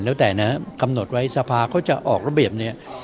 แล้วแต่นะกำหนดไว้สภาเขาจะออกระเบียบเนี่ย